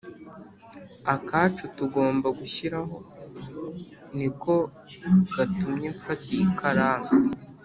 akacu tugomba gushyiraho, ni ko gatumye mfata iyi karamu,